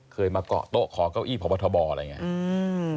มาเกาะโต๊ะขอเก้าอี้พบทบอะไรอย่างนี้